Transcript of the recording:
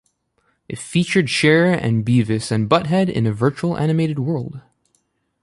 It featured Cher and Beavis and Butt-Head in a virtual animated world.